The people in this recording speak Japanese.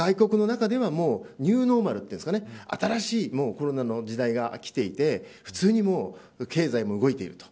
いろいろ思いまして外国の中ではもうニューノーマルと言うんですかね新しいコロナの時代が来ていて普通に、経済も動いていると。